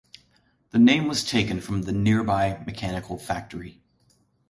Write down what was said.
The name was taken from the nearby mechanical factory.